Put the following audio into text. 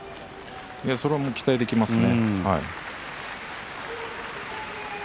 それも期待できますね。